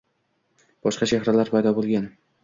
Boshqa chehralar paydo bo’lgan.